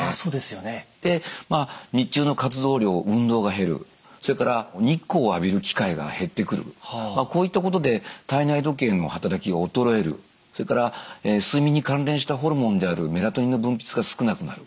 で日中の活動量運動が減るそれから日光を浴びる機会が減ってくるこういったことで体内時計の働きが衰えるそれから睡眠に関連したホルモンであるメラトニンの分泌が少なくなる。